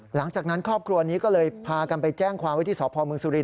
หลังจากนั้นครอบครัวนี้ก็เลยพากันไปแจ้งความไว้ที่สพมสุริน